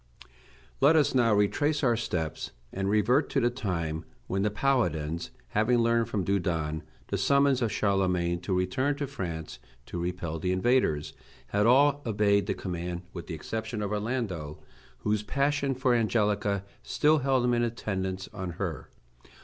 Let us now retrace our steps, and revert to the time when the paladins having learned from Dudon the summons of Charlemagne to return to France to repel the invaders, had all obeyed the command with the exception of Orlando, whose passion for Angelica still held him in attendance on her.